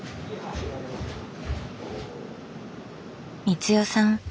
光代さん